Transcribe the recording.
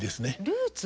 ルーツ？